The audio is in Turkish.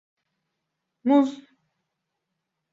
Muz…